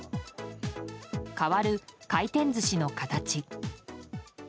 変わる回転寿司の形。